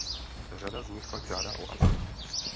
Řada z nich pak žádá o azyl.